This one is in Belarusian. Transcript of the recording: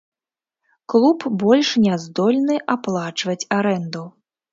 Клуб больш не здольны аплачваць арэнду.